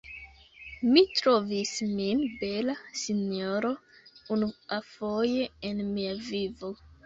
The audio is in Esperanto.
Mi trovis min bela, sinjoro, unuafoje en mia vivo.